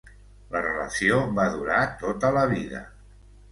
La relació va durar tota la vida.